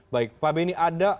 baik pak benny